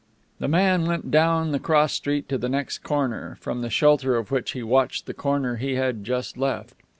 The man went down the cross street to the next corner, from the shelter of which he watched the corner he had just left.